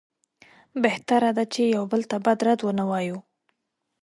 بهتره ده چې یو بل ته بد رد ونه وایو.